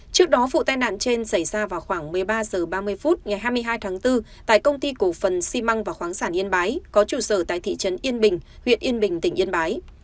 trước đó vụ tai nạn trên xảy ra vào khoảng một mươi ba h ba mươi phút ngày hai mươi hai tháng bốn tại công ty cổ phần xi măng và khoáng sản yên bái có trụ sở tại thị trấn yên bình huyện yên bình tỉnh yên bái